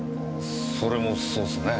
それもそうっすね。